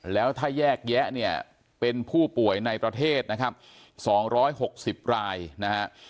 แล้วถ้าแยกแยะเนี่ยเป็นผู้ป่วยในประเทศนะครับ๒๖๐รายนะฮะ